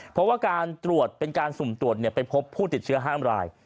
เพราะว่าการตรวจเป็นการสุ่มตรวจไปพบผู้ติดเชื้อ๕ราย